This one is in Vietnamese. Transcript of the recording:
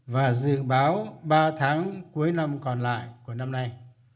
và dự báo ba tháng cuối năm còn lại của năm nay